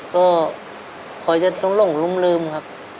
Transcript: ก็พอจะต้องลงร่มครับ